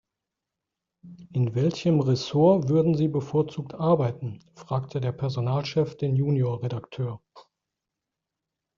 In welchem Ressort würden Sie bevorzugt arbeiten?, fragte der Personalchef den Junior-Redakteur.